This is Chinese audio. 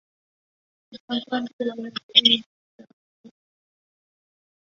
豆瓣关闭了影片的评分功能。